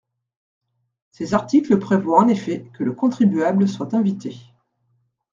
Ces articles prévoient en effet que le contribuable soit invité.